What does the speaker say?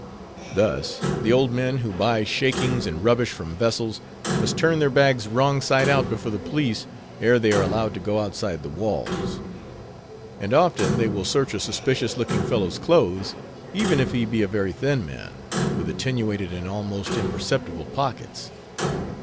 Thus, the old men who buy "shakings," and rubbish from vessels, must turn their bags wrong side out before the police, ere they are allowed to go outside the walls. And often they will search a suspicious looking fellow's clothes, even if he be a very thin man, with attenuated and almost imperceptible pockets.